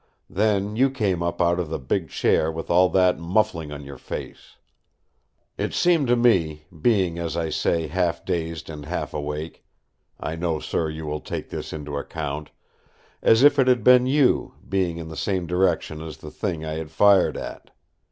Then you came up out of the big chair with all that muffling on your face. It seemed to me, being as I say half dazed and half awake—I know, sir, you will take this into account—as if it had been you, being in the same direction as the thing I had fired at.